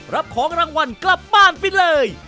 รับของรางวัลกลับบ้านไปเลย